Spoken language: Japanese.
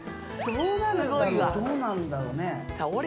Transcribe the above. どうなるんだろうね